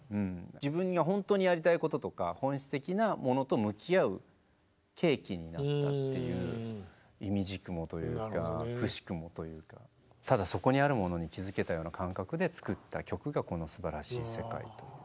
自分には本当にやりたいこととか本質的なものと向き合う契機になったっていういみじくもというかくしくもというかただそこにあるものに気付けたような感覚で作った曲がこの「素晴らしい世界」という。